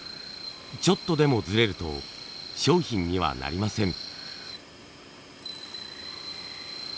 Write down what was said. ちょっとでもずれると商品にはなりません。